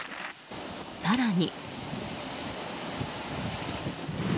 更に。